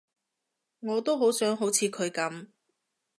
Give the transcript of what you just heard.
我都想好似佢噉